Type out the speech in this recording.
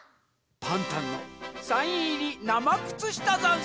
パンタンのサインいりなまくつしたざんす！